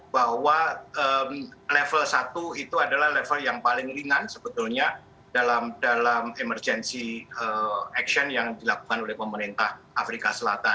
bahwa level satu itu adalah level yang paling ringan sebetulnya dalam emergency action yang dilakukan oleh pemerintah afrika selatan